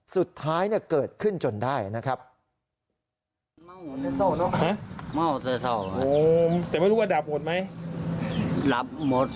สุดท้ายเกิดขึ้นจนได้นะครับ